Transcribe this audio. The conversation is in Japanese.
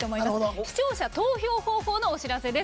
視聴者投票方法のお知らせです。